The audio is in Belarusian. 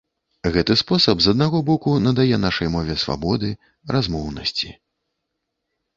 Гэты спосаб з аднаго боку надае нашай мове свабоды, размоўнасці.